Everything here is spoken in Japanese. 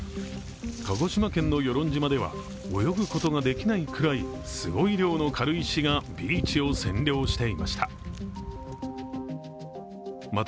鹿児島県の与論島では泳ぐことができないくらいすごい量の軽石がビーチを占領していました。